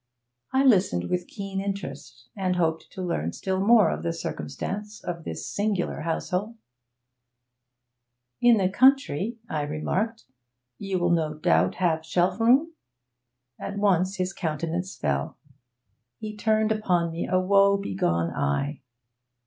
I listened with keen interest, and hoped to learn still more of the circumstances of this singular household. 'In the country,' I remarked, 'you will no doubt have shelf room?' At once his countenance fell; he turned upon me a woebegone eye.